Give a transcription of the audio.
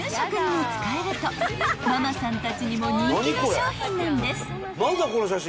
［ママさんたちにも人気の商品なんです］